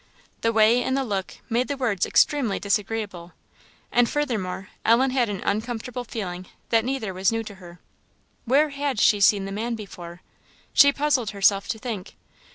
The way, and the look, made the words extremely disagreeable; and, furthermore, Ellen had an uncomfortable feeling that neither was new to her. Where had she seen the man before? she puzzled herself to think.